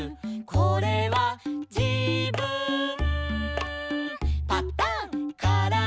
「これはじぶん」